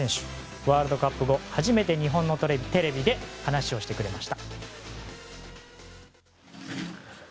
ワールドカップ後初めて日本のテレビで話をしてくれました。